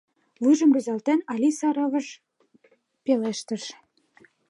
— вуйжым рӱзалтен, Алиса рывыж пелештыш.